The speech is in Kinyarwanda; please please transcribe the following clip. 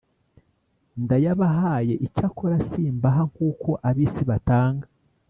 ndayabahaye Icyakora simbaha nk uko ab isi batanga